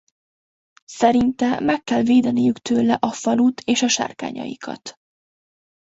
Szerinte meg kell védeniük tőle a falut és a sárkányaikat.